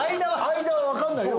相田は分かんないよ